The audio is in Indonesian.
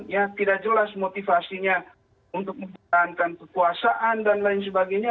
ya tidak jelas motivasinya untuk mempertahankan kekuasaan dan lain sebagainya